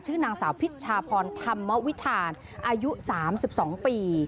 นางสาวพิชชาพรธรรมวิทานอายุ๓๒ปี